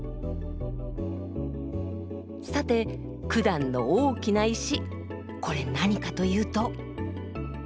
さてくだんの大きな石これ何かというと。